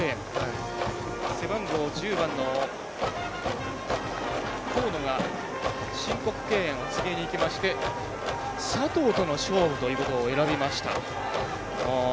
背番号１０番の河野が申告敬遠を告げに行きまして佐藤との勝負ということを選びました。